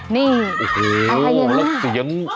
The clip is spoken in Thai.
นี่อะไรอย่างนี้โอ้โฮแล้วเสียง